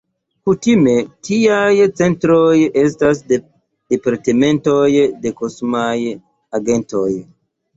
Kutime tiaj centroj estas departementoj de kosmaj agentejoj.